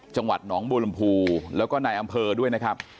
จังหวัดหนองบัวลำพูแล้วก็นายอำเภอด้วยนะครับ